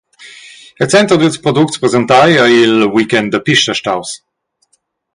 El center dils products presentai ei il «weekend da pista» staus.